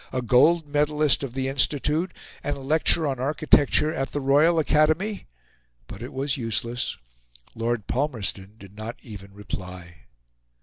a gold medallist of the Institute, and a lecturer on architecture at the Royal Academy; but it was useless Lord Palmerston did not even reply.